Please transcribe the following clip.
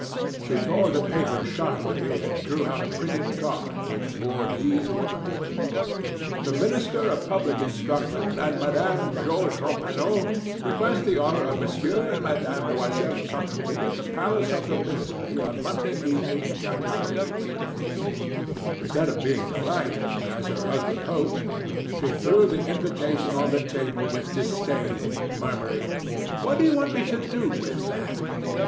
She tore the paper sharply, and drew out a printed card which bore these words: "The Minister of Public Instruction and Mme. Georges Ramponneau request the honor of M. and Mme. Loisel's company at the palace of the Ministry on Monday evening, January 18th." Instead of being delighted, as her husband hoped, she threw the invitation on the table with disdain, murmuring: "What do you want me to do with that?"